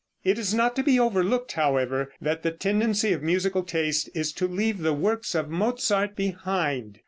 It is not to be overlooked, however, that the tendency of musical taste is to leave the works of Mozart behind.